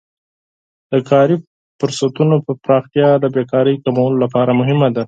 د کاري فرصتونو پراختیا د بیکارۍ کمولو لپاره مهمه ده.